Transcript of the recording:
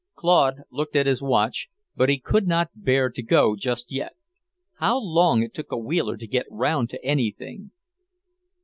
Claude looked at his watch, but he could not bear to go just yet. How long it took a Wheeler to get round to anything!